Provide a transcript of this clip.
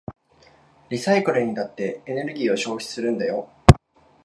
リサイクルにだってエネルギーを消費するんだよ。